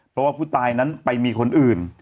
เพราะว่าผู้ตายนั้นไปมีคนอื่น